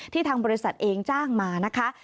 ทางบริษัทเองจ้างมานะคะ